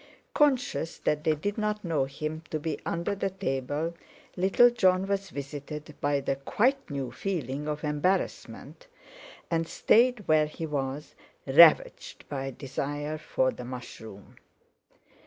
Conscious that they did not know him to be under the table, little Jon was visited by the quite new feeling of embarrassment, and stayed where he was, ravaged by desire for the mushroom.